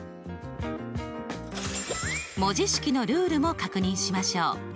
文字式のルールも確認しましょう。